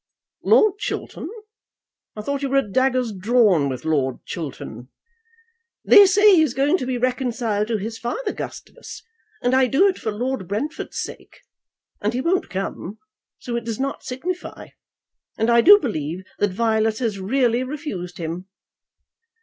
Lord Chiltern; I thought you were at daggers drawn with Chiltern." "They say he is going to be reconciled to his father, Gustavus, and I do it for Lord Brentford's sake. And he won't come, so it does not signify. And I do believe that Violet has really refused him."